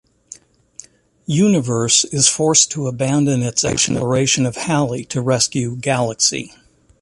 "Universe" is forced to abandon its exploration of Halley to rescue "Galaxy".